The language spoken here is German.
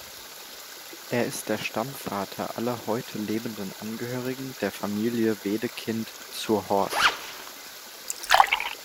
Er ist der Stammvater aller heute lebenden Angehörigen der Familie Wedekind zur Horst.